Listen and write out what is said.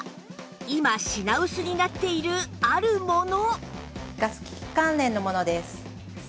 今品薄になっているあるもの